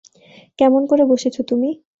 কেমন করে বসেছ তুমি।